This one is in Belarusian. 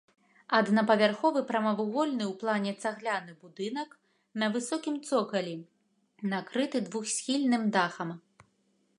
Аднапавярховы прамавугольны ў плане цагляны будынак на высокім цокалі, накрыты двухсхільным дахам.